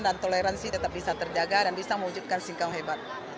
dan toleransi tetap bisa terjaga dan bisa mewujudkan singkawang hebat